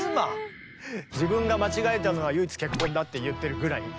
自分が間違えたのは唯一結婚だって言ってるぐらい。